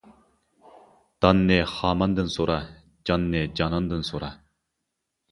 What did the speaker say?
داننى خاماندىن سورا، جاننى جاناندىن سورا.